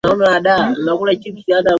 katika karne ya kumi na Saba na kumi na nane